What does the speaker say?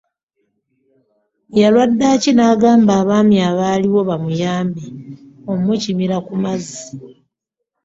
Yalwa ddaaki nagamba abaami abaaliwo bamuyambe omukimira ku mazzi.